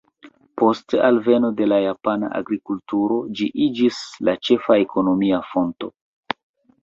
Post alveno de la japana agrikulturo ĝi iĝis la ĉefa ekonomia fonto.